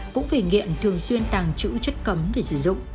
cũng vì nghiện thường xuyên tàng trữ chất cấm để sử dụng